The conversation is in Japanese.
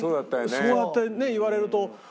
そうやってね言われると。